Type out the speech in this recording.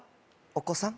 お子さん？